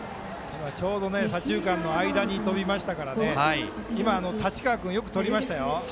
ちょうど左中間の間に飛びましたから太刀川君、よくとりました。